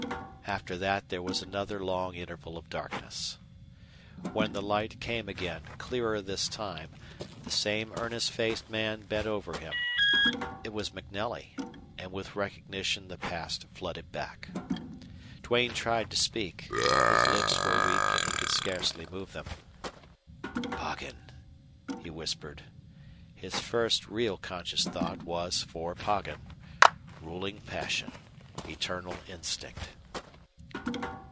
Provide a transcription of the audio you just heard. After that there was another long interval of darkness. When the light came again, clearer this time, the same earnest faced man bent over him. It was MacNelly. And with recognition the past flooded back. Duane tried to speak. His lips were weak, and he could scarcely move them. "Poggin!" he whispered. His first real conscious thought was for Poggin. Ruling passion eternal instinct!